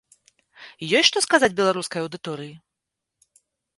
Ёсць што сказаць беларускай аўдыторыі?